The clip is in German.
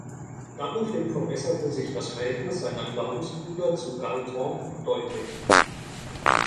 Daraufhin verbesserte sich das Verhältnis seiner Glaubensbrüder zu Galton deutlich.